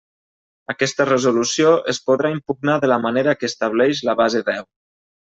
Aquesta resolució es podrà impugnar de la manera que estableix la base deu.